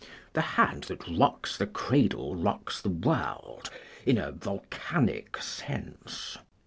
The hand that rocks the cradle rocks the world, in a volcanic sense.